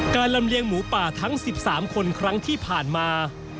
ลำเลียงหมูป่าทั้ง๑๓คนครั้งที่ผ่านมา